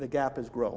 gap itu tumbuh